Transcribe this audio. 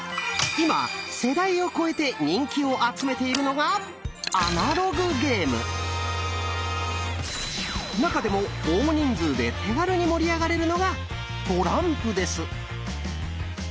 今世代を超えて人気を集めているのが中でも大人数で手軽に盛り上がれるのがトランプです。